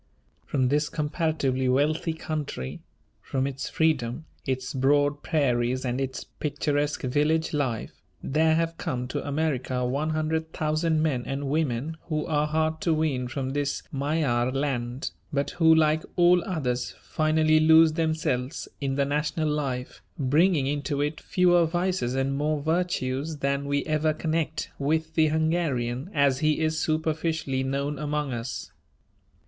From this comparatively wealthy country; from its freedom, its broad prairies and its picturesque village life, there have come to America one hundred thousand men and women who are hard to wean from this Magyar land, but who, like all others, finally lose themselves in the national life, bringing into it fewer vices and more virtues than we ever connect with the Hungarian as he is superficially known among us.